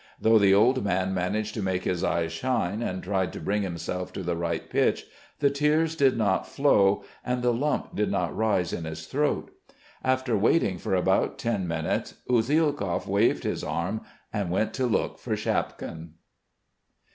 Though the old man managed to make his eyes shine, and tried to bring himself to the right pitch, the tears did not flow and the lump did not rise in his throat.... After waiting for about ten minutes, Usielkov waved his arm and went to look for Shapkin.